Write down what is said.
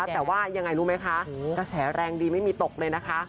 แต่ว่ายังไงรู้ไหมคะกระแสแรงดีไม่มีตกเลยนะคะ